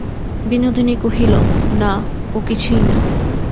বিনোদিনী কহিল, না, ও কিছুই না।